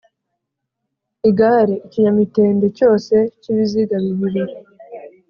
IgareIkinyamitende cyose cy’ibiziga bibiri